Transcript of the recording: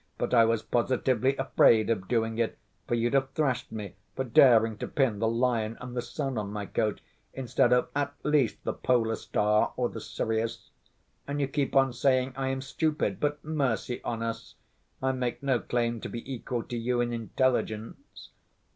But I was positively afraid of doing it, for you'd have thrashed me for daring to pin the Lion and the Sun on my coat, instead of, at least, the Polar Star or the Sirius. And you keep on saying I am stupid, but, mercy on us! I make no claim to be equal to you in intelligence.